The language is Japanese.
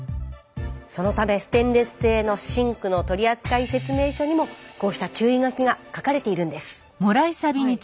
そのためステンレス製のシンクの取扱説明書にもこうした注意書きが書かれているんです。